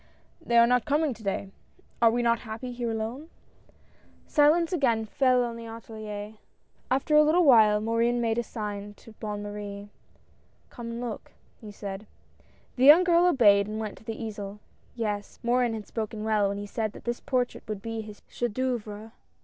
HOPES. 169 " They are not coming to day ! Are we not happy here alone ?" Silence again fell on the atSlier, After a little while Morin made a sign to Bonne Marie. " Come and look," he said. The young girl obeyed and went to the easel. Yes, Morin had spoken well, when he said that this portrait would be his chef d" oeuvre.